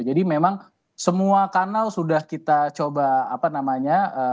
jadi memang semua kanal sudah kita coba apa namanya